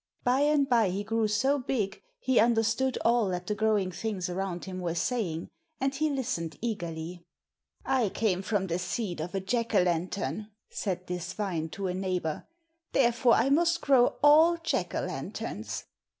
By and by he grew so big he understood all that the growing things around him were saying, and he listened eagerly. "I came from the seed of a Jack o' lantern," said this vine to a neighbour, "therefore I must grow all Jack o' lanterns."